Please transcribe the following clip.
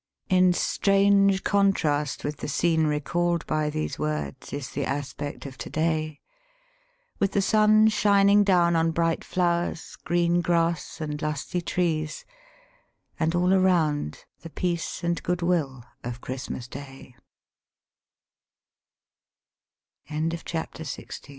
In strange contrast with the scene recalled by these words is the aspect of to day, with the Sim shining down on bright flowers, green grass, and lusty trees, and all around the peace and goodwill of Christmas Day. Digitized by VjOOQIC ( 263 ) CHAPTER XVII.